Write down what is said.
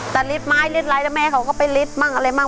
แต่ลิดไม้ลิดไร้แล้วแม่เขาก็ไปลิฟต์มั่งอะไรมั่ง